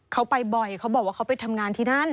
เขาไปบ่อยเขาบอกว่าเขาไปทำงานที่นั่น